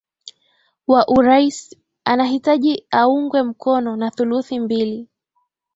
wa urais anahitaji aungwe mkono na thuluthi mbili